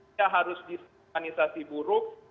tidak harus disimpanisasi buruk